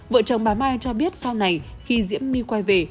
vợ chồng bà mai cho biết sau này khi diễm my quay về